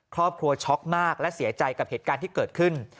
ครอบครัวช็อกมากและเสียใจกับเหตุการณ์ที่เกิดขึ้น